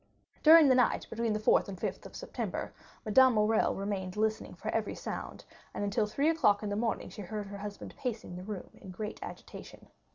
During the night, between the 4th and 5th of September, Madame Morrel remained listening for every sound, and, until three o'clock in the morning, she heard her husband pacing the room in great agitation.